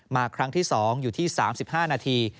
มาครั้งที่๒อยู่ที่๓๕นาที